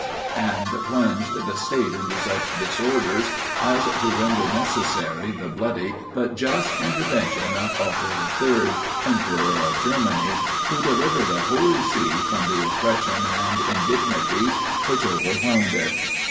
and plunged the state into such disorders as to render necessary the bloody but just intervention of Otho III. Emperor of Germany, who delivered the Holy See from the oppression and indignities which overwhelmed it.